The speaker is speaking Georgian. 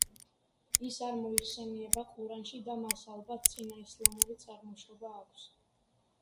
ის არ მოიხსენიება ყურანში, და მას ალბათ წინაისლამური წარმოშობა აქვს.